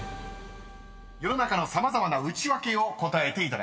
［世の中の様々なウチワケを答えていただきます］